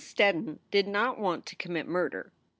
Steddon did not want to commit murder.